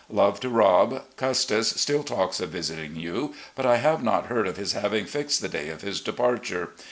Love to Rob. Custis still talks of visiting you, but I have not heard of his having fixed the day of his departure.